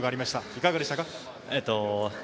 いかがでしたか。